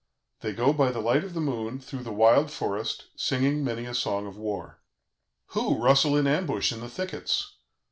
They go by the light of the moon through the wild forest, singing many a song of war. "Who rustle in ambush in the thickets?